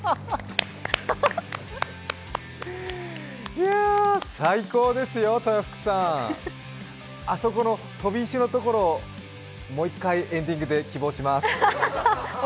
いや、最高ですよ、豊福さん。あそこの飛び石のところをもう一回エンディングで希望します。